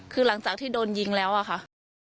คือหลังจากที่โดนยิงแล้วอะค่ะ